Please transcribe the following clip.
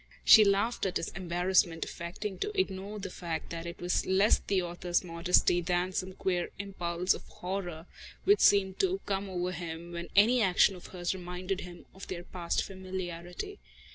She laughed at his embarrassment, affecting to ignore the fact that it was less the author's modesty than some queer impulse of horror which seemed to come over him when any action of hers reminded him of their past familiarity.